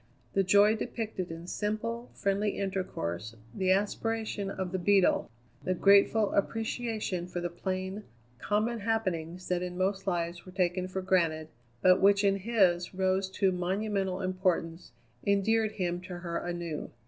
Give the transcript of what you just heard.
The joy depicted in simple, friendly intercourse, the aspiration of the Beetle, the grateful appreciation for the plain, common happenings that in most lives were taken for granted, but which in his rose to monumental importance, endeared him to her anew.